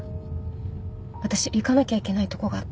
私行かなきゃいけないとこがあって。